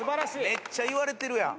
めっちゃ言われてるやん。